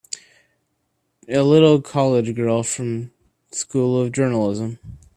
A little college girl from a School of Journalism!